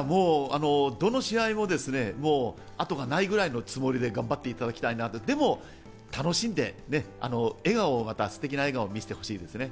どの試合も後がないくらいのつもりで頑張っていただきたいのと、でも楽しんでね、ステキな笑顔をまた見せてほしいですね。